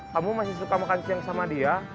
kamu masih suka makan siang sama dia